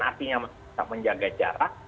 artinya bisa menjaga jarak